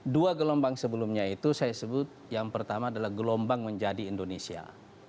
dua gelombang sebelumnya itu saya sebut yang pertama adalah gelombang menjadi indonesia